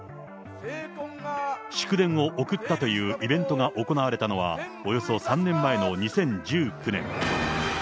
祝電を送ったというイベントが行われたのは、およそ３年前の２０１９年。